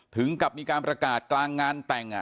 ถึงกับมีการประกาศกลางงานแต่ง